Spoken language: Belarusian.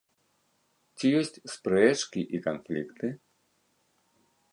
Ці ёсць спрэчкі і канфлікты?